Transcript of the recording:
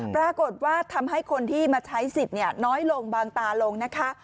ปรากฏว่าทำให้คนที่มาใช้สิทธิ์น้อยลงบางตาลงนะคะ